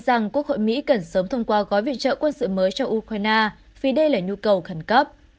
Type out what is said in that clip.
rằng quốc hội mỹ cần sớm thông qua gói viện trợ quân sự mới cho ukraine vì đây là nhu cầu khẩn cấp